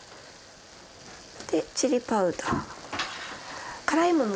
でチリパウダー。